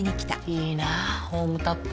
いいなホームタップ。